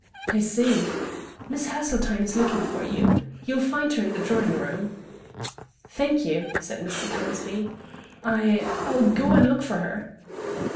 "I see. Miss Haseltine is looking for you. You'll find her in the drawing room." "Thank you," said Mr. Pownceby. "I I'll go and look for her."